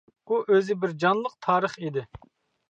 ئۇ ئۆزى بىر جانلىق تارىخ ئىدى.